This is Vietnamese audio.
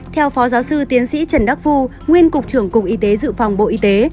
theo phó giáo sư tiến sĩ trần đắc phu nguyên cục trưởng cục y tế dự phòng bộ y tế